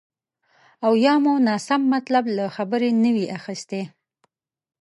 او یا مو ناسم مطلب له خبرې نه وي اخیستی